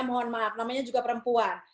mohon maaf namanya juga perempuan